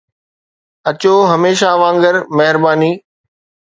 اچو، هميشه وانگر، مهرباني